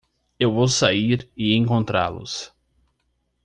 Eu vou sair e encontrá-los!